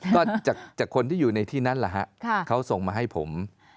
ก็จากคนที่อยู่ในที่นั้นแหละฮะเขาส่งมาให้ผม